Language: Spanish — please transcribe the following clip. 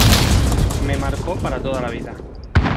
Me marcó para toda la vida.